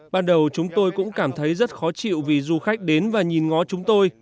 ban đầu chúng tôi cũng cảm thấy rất khó chịu vì du khách đến và nhìn ngó chúng tôi